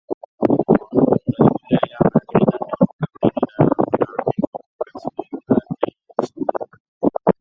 网路购物的出现让男性能够更便利地浏览并购买各式各样的内衣商品。